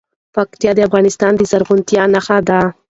پکتیا د افغانستان د زرغونتیا نښه ده.